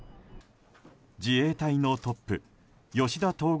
自衛隊のトップ吉田統合